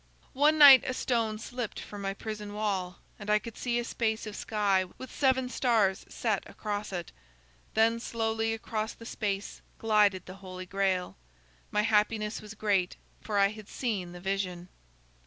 "One night a stone slipped from my prison wall, and I could see a space of sky, with seven stars set across it. Then slowly across the space glided the Holy Grail. My happiness was great, for I had seen the vision.